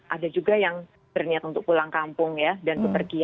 ada juga yang berniat untuk pulang kampung ya dan berpergian